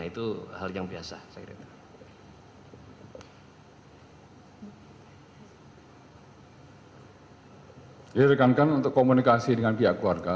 itu hal yang biasa